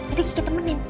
jadi gigi temenin